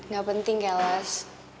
gak penting ya los